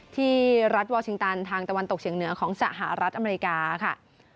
ที่รัฐวอลชิงตันทางตะวันตกเฉียงเหนือของสหรัฐอเมริกาค่ะ